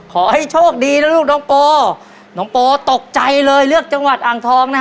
ขอให้โชคดีนะลูกน้องโปน้องโปตกใจเลยเลือกจังหวัดอ่างทองนะฮะ